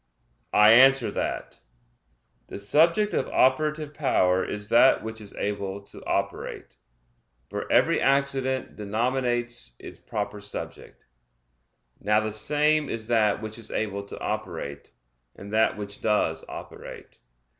I answer that, The subject of operative power is that which is able to operate, for every accident denominates its proper subject. Now the same is that which is able to operate, and that which does operate.